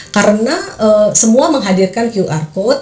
karena semua menghadirkan qr code